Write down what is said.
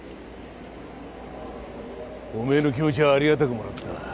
お前の気持ちはありがたくもらった。